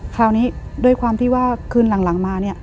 คราวนี้ด้วยความที่ว่าคืนหลังมาเนี่ย